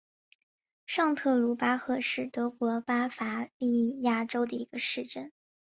上特鲁巴赫是德国巴伐利亚州的一个市镇。